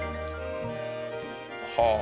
はあ。